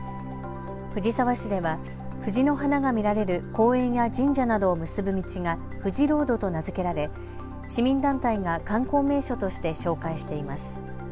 藤沢市では藤の花が見られる公園や神社などを結ぶ道がフジロードと名付けられ市民団体が観光名所として紹介しています。